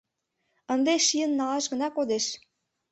Ынде шийын налаш гына кодеш.